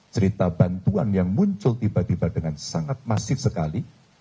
cerita bantuan yang muncul tiba tiba dengan sangat masif sekali